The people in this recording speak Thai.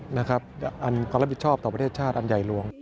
อันความรับผิดชอบต่อประเทศชาติอันใหญ่หลวง